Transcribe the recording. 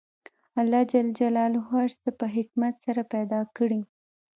الله ج هر څه په حکمت سره پیدا کړي